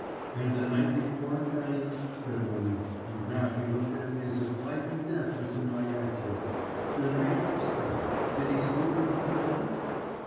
"'And the night before, Fanny,' said Lemon, and now he looked at me as if life and death was in my answer, 'the night it was done, did he sleep at home then?'